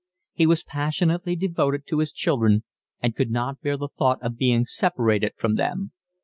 He was passionately devoted to his children and could not bear the thought of being separated from them.